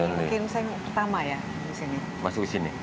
mungkin saya pertama ya masuk sini